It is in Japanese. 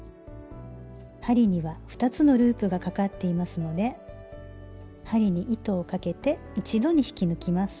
針には２つのループがかかっていますので針に糸をかけて一度に引き抜きます。